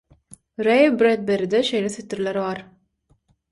Reý Bredberide şeýle setirler bar